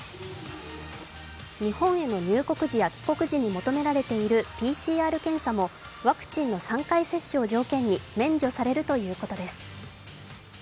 日本への入国時や帰国時に求められているＰＣＲ検査もワクチンの３回接種を条件に免除されるということです。